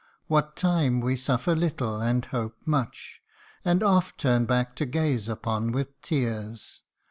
What time we suffer little, and hope much ; And oft turn back to gaze upon with tears